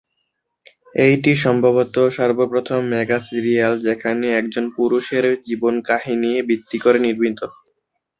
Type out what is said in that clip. এইটি সম্ভবত সর্বপ্রথম mega serial যেখানে একজন পুরুষের জীবন কাহিনী ভিত্তি করে নির্মিত।